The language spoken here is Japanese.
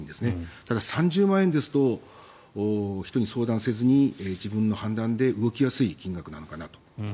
ただ、３０万円ですと１人で相談せずに自分の判断で動きやすい額なのかなと。